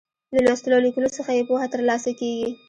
له لوستلو او ليکلو څخه يې پوهه تر لاسه کیږي.